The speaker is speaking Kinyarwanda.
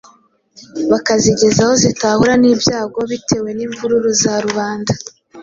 bakazigeza aho zitahura n’ibyago bitewe n’imvururu za rubanda.